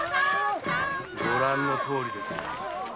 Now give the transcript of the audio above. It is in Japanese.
ご覧のとおりですよ。